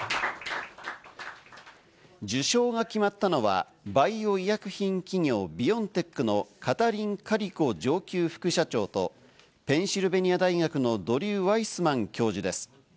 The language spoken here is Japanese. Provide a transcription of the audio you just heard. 受賞が決まったのはバイオ医薬品企業・ビオンテックのカタリン・カリコ上級副社長とペンシルベニア大学のドリュー・ワイスマン教授です。